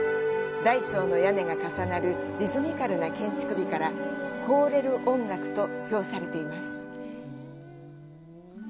大小の屋根が重なるリズミカルな建築美から“凍れる音楽”と評されています。